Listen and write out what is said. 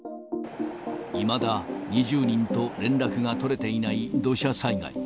いまだ２０人と連絡が取れていない土砂災害。